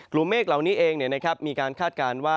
กลุ่มเมฆเหล่านี้เองนะครับ